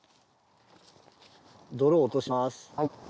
泥落とします。